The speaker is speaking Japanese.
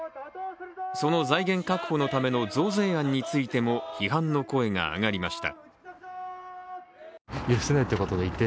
その財源確保のための増税案についても批判の声が上がりました。